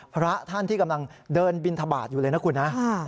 พระท่านที่กำลังเดินบินทบาทอยู่เลยนะคุณนะ